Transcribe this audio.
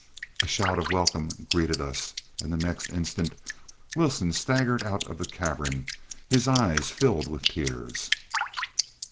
A shout of welcome greeted us, and the next instant Wilson staggered out of the cavern, his eyes filled with tears.